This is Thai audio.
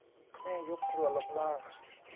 แม่ยกครัวลงล่าง